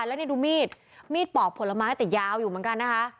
แล้วนี่ดูมีดมีดปอกผลไม้แต่ยาวอยู่เหมือนกันนะคะ